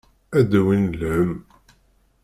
Ad d-awin lhemm.